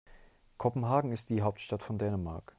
Kopenhagen ist die Hauptstadt von Dänemark.